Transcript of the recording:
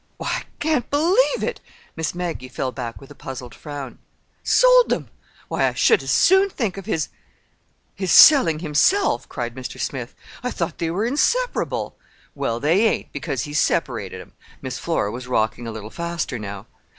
"Why, I can't believe it!" Miss Maggie fell back with a puzzled frown. "Sold them! Why, I should as soon think of his—his selling himself," cried Mr. Smith. "I thought they were inseparable." "Well, they ain't—because he's separated 'em." Miss Flora was rocking a little faster now.